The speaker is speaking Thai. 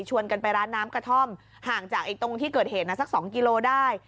กันไปร้านน้ำกระท่อมห่างจากตรงที่เกิดเหตุนะสัก๒กิโลได้